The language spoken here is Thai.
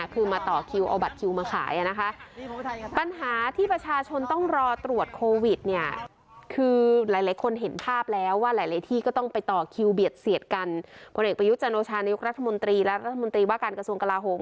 ผลเอกประยุทธ์จันโลชานายุครัฐมนตรีและรัฐมนตรีว่าการกระทรวงกลาโฮง